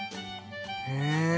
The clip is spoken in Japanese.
へえ。